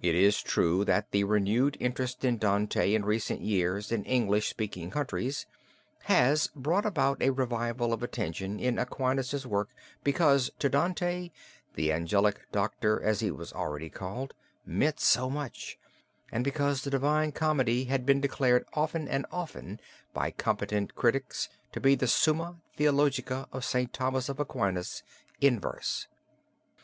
It is true that the renewed interest in Dante in recent years in English speaking countries, has brought about a revival of attention in Aquinas's work because to Dante, the Angelical Doctor, as he was already called, meant so much, and because the Divine Comedy has been declared often and often, by competent critics, to be the Summa Theologiae of St. Thomas of Aquin in verse.